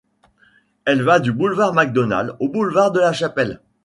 Elle va du boulevard Macdonald au boulevard de La Chapelle.